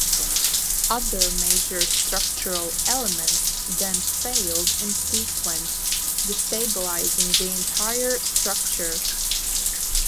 Other major structural elements then failed in sequence, destabilising the entire structure.